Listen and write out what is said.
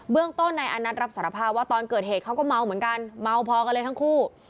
เรื่องต้นนายอานัทรับสารภาพว่าตอนเกิดเหตุเขาก็เมาเหมือนกันเมาพอกันเลยทั้งคู่